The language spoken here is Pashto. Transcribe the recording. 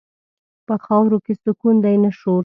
په خاورو کې سکون دی، نه شور.